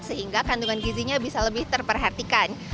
sehingga kandungan gizinya bisa lebih terperhatikan